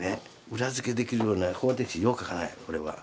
裏付けできるような方程式よう書かない俺は。